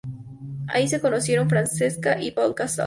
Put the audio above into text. Así se conocieron Francesca y Pau Casals.